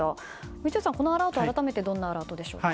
三井さん、これは改めてどんなアラートでしょうか？